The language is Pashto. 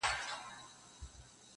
دا قانون و خامخا منل کېدله